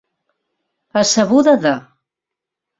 A sabuda de.